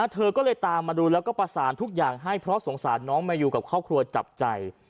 เธอก็เลยตามมาดูแล้วก็ประสานทุกอย่างให้เพราะสงสารน้องแมยูกับครอบครัวจับใจ